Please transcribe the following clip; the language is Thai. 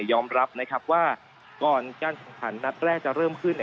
ยอมรับนะครับว่าก่อนการแข่งขันนัดแรกจะเริ่มขึ้น